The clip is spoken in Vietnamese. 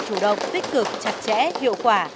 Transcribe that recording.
chủ động tích cực chặt chẽ hiệu quả